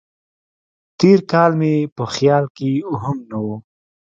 تېر کال مې په خیال کې هم نه و.